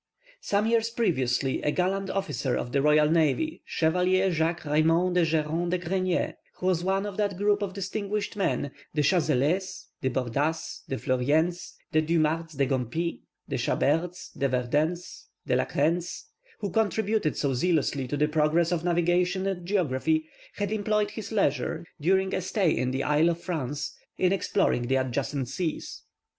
Some years previously a gallant officer of the royal navy, Chevalier Jacques Raymond de Geron de Grenier, who was one of that group of distinguished men, the Chazelles, the Bordas, the Fleuriens, the Du Martz de Gormpy, the Chaberts, the Verduns de la Crenne, who contributed so zealously to the progress of navigation and geography had employed his leisure, during a stay in the Isle of France, in exploring the adjacent seas.